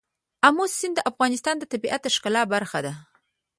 آمو سیند د افغانستان د طبیعت د ښکلا برخه ده.